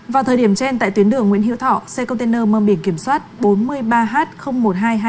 vào thời điểm trên tại tuyến đường nguyễn hiếu thọ xe container mơ biển kiểm soát bốn mươi ba h một nghìn hai trăm hai mươi